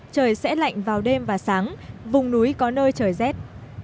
trời sẽ lạnh vào đêm và sáng vùng núi có nơi trời rét